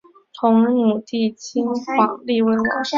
同母弟金晃立为王。